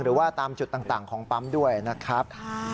หรือว่าตามจุดต่างของปั๊มด้วยนะครับ